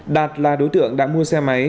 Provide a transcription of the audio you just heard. đạt là đối tượng đã mua xe máy